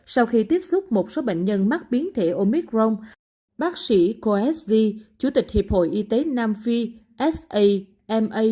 sau khi tiếp xúc một số bệnh nhân mắc biến thể omicron bác sĩ khoa s d chủ tịch hiệp hội y tế nam phi s a m a